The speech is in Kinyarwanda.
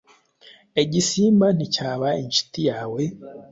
igisimba nticyaba inshuti yawe,